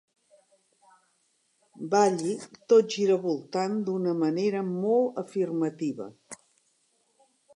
Balli tot giravoltant d'una manera molt afirmativa.